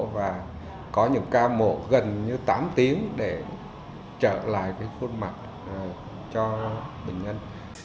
và có những ca mổ gần như tám tiếng để trở lại khuôn mặt cho bệnh nhân